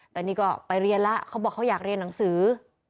แต่นี่ก็ไปเรียนแล้วเขาบอกเขาอยากเรียนหนังสือ